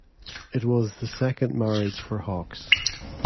It was the second marriage for Hawks.